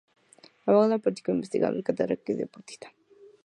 Abogado, político, investigador, catedrático y deportista.